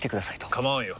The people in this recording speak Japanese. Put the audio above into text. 構わんよ。